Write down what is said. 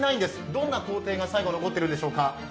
どんな工程が最後残ってるんでしょうか。